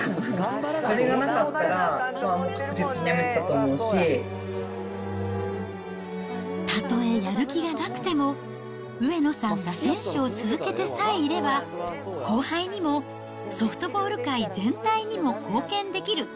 それがなかったら、たとえやる気がなくても、上野さんが選手を続けてさえいれば、後輩にも、ソフトボール界全体にも貢献できる。